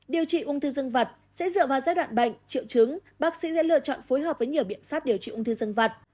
điều trị ung thư dân vật sẽ dựa vào giai đoạn bệnh triệu chứng bác sĩ sẽ lựa chọn phối hợp với nhiều biện pháp điều trị ung thư dân vật